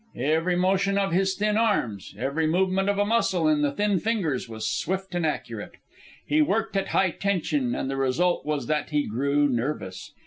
Every motion of his thin arms, every movement of a muscle in the thin fingers, was swift and accurate. He worked at high tension, and the result was that he grew nervous.